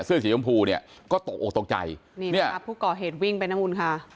เสื้อสีชมพูเนี่ยก็ตกออกตกใจนี่เนี่ยผู้ก่อเหตุวิ่งไปนะคุณค่ะ